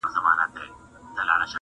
څادر ئې پۀ وجود راخورٶمه وخت پۀ وخت